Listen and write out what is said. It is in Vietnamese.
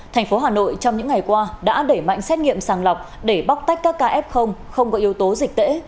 thành phố hà nội trong những ngày qua đã để mạnh xét nghiệm sàng lọc để bóc tách các kf không có yếu tố dịch tễ